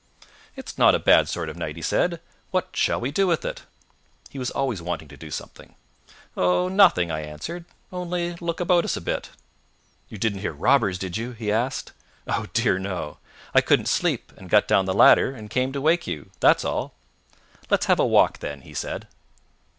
"It's not a bad sort of night," he said; "what shall we do with it?" He was always wanting to do something. "Oh, nothing," I answered; "only look about us a bit." "You didn't hear robbers, did you?" he asked. "Oh dear, no! I couldn't sleep, and got down the ladder, and came to wake you that's all." "Let's have a walk, then," he said.